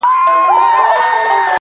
• زه به له خپل دياره ولاړ سمه،